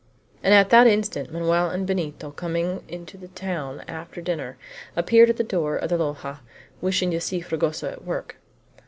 And at that instant Manoel and Benito, coming into the town after dinner, appeared at the door of the loja, wishing to see Fragoso at work.